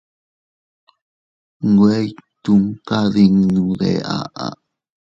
Nwe ytumkadinnu de aʼa.